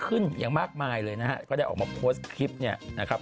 อย่างมากมายเลยนะฮะก็ได้ออกมาโพสต์คลิปเนี่ยนะครับ